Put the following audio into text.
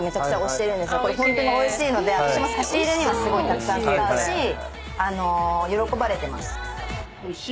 ホントにおいしいので私も差し入れにはたくさん使うし喜ばれてます。